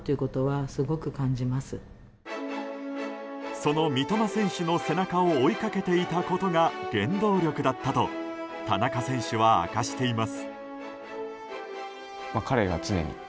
その三笘選手の背中を追いかけていたことが原動力だったと田中選手は明かしています。